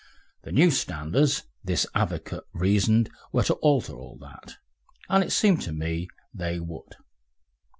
The new standards, this advocate reasoned, were to alter all that, and it seemed to me they would.